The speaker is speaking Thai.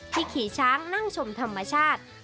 ขี่ช้างนั่งชมธรรมชาติ